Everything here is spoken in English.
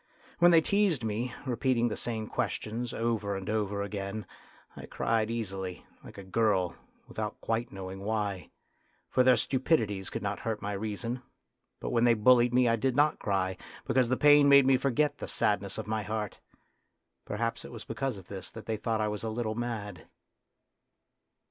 When they teased me, repeating the same questions over and over again, I cried easily, like a girl, without quite knowing why, for their stupidities could not hurt my reason ; but when they bullied me I did not cry, because the pain made me forget the sadness of my heart. Perhaps it was because of this that they thought I was a little mad.